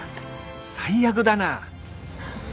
最悪だな。